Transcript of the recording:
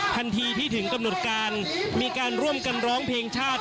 ทันทีที่ถึงกำหนดการมีการร่วมกันร้องเพลงชาติ